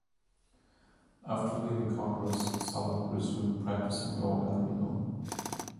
After leaving Congress Sullivan resumed practicing law in Reno.